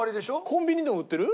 コンビニでも売ってる？